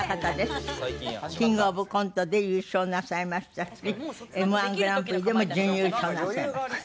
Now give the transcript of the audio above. キングオブコントで優勝なさいましたしＭ−１グランプリでも準優勝なさいました。